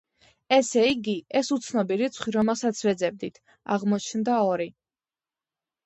ესე იგი, ეს უცნობი რიცხვი რომელსაც ვეძებდით, აღმოჩნდა ორი.